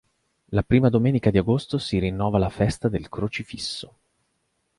La prima domenica di agosto si rinnova la Festa del Crocifisso.